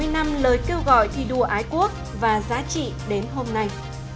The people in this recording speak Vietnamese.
hai mươi năm lời kêu gọi thi đua ái quốc và giá trị đến hôm nay